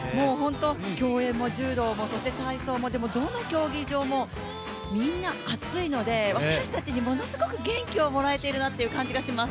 競泳も柔道もそして体操もそしてどの競技場もみんな熱いので私たちにものすごく元気をもらえているなという感じがします。